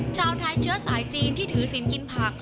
ชาวไทยเชื้อสายจีนที่ถือศิลป์กินผัก